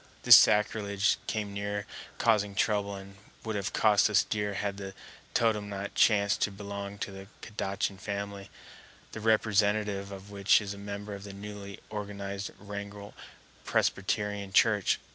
This sacrilege came near causing trouble and would have cost us dear had the totem not chanced to belong to the Kadachan family, the representative of which is a member of the newly organized Wrangell Presbyterian Church.